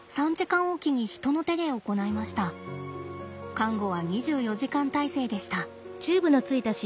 看護は２４時間態勢でした。